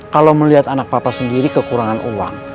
kalau melihat anak papa sendiri kekurangan uang